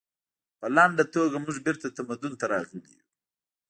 په لنډه توګه موږ بیرته تمدن ته راغلي یو